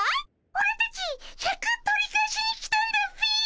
オラたちシャク取り返しに来たんだっピ。